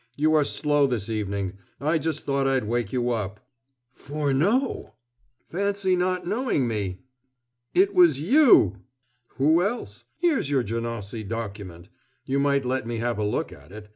You are slow this evening. I just thought I'd wake you up." "Furneaux!" "Fancy not knowing me!" "It was you!" "Who else? Here's your Janocy document. You might let me have a look at it.